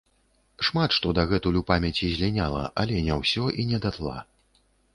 Шмат што дагэтуль у памяці зліняла, але не ўсё і не датла.